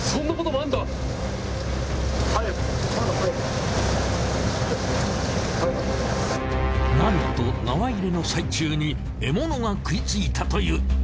なんと縄入れの最中に獲物が食いついたという。